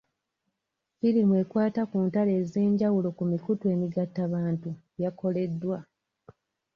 Firimu ekwata ku ntalo ez'enjawulo ku mikutu emigattabantu yakoleddwa.